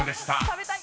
食べたい。